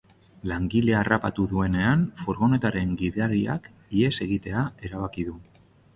Langilea harrapatu duenean, furgonetaren gidariak ihes egitea erabaki du.